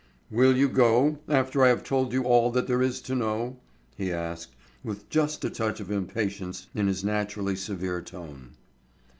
"Will you go, after I have told you all that there is to know?" he asked, with just a touch of impatience in his naturally severe tone.